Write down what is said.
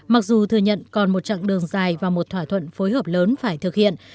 mặc dù thừa nhận còn một chặng đường dài và một thỏa thuận phối hợp lớn phải thực hiện